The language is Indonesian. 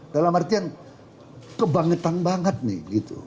dalam artian kebangetan banget nih gitu